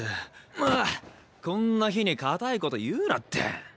まぁこんな日にカタイこと言うなって。